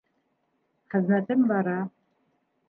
Хеҙмәтем бара.